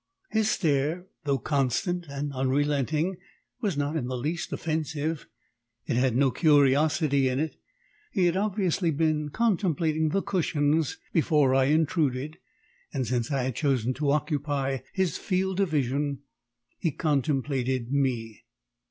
His stare, though constant and unrelenting, was not in the least offensive it had no curiosity in it: he had obviously been contemplating the cushions before I intruded, and since I had chosen to occupy his field of vision he contemplated me.